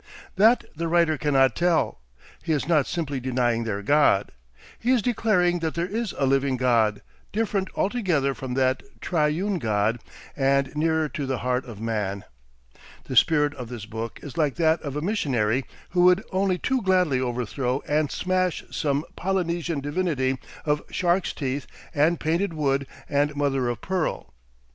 That the writer cannot tell. He is not simply denying their God. He is declaring that there is a living God, different altogether from that Triune God and nearer to the heart of man. The spirit of this book is like that of a missionary who would only too gladly overthrow and smash some Polynesian divinity of shark's teeth and painted wood and mother of pearl.